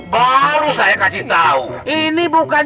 baru saya kasih tahu ini bukan